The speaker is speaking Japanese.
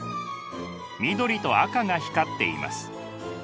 緑と赤が光っています。